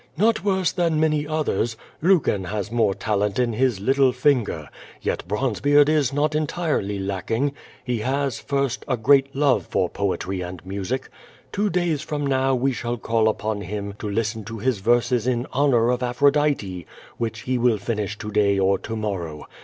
"Not worse than many others. Lucan has more talent in his little finger. Yet Bronzebeard is not entirely lacking. He has, first, a great love for poetry and music. Two days from now we shall call upon him to listen to his verses in honor of Aphrodite, which he will finish to day or to morrow.